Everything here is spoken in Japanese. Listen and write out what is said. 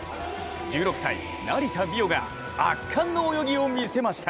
１６歳・成田実生が圧巻の泳ぎを見せました。